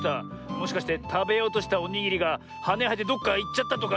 もしかしてたべようとしたおにぎりがはねはえてどっかいっちゃったとか？